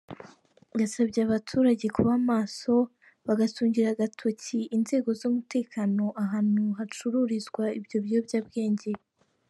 Yasabye abaturage kuba maso bagatungira agatoki inzego z’umutekano ahantu hacururizwa ibyo biyobyabwenge.